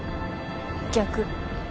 逆。